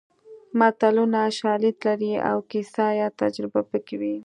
متلونه شالید لري او کیسه یا تجربه پکې وي